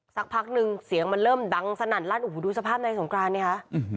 สักพักนึงเสียงมันเริ่มดังสนั่นลั่นโอ้โหดูสภาพนายสงกรานเนี่ยค่ะ